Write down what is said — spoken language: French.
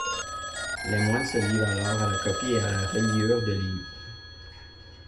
Les moines se livrent alors à la copie et à la reliure de livres.